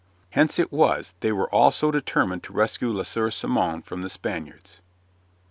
Hence it was they were all so determined to rescue Le Sieur Simon from the Spaniards.